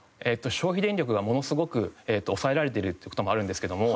消費電力がものすごく抑えられてるという事もあるんですけども